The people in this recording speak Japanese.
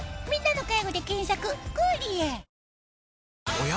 おや？